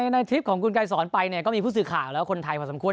ในทริปของกไกรศรไปก็มีผู้สื่อข่าวแล้วคนไทยก็ควรสำควร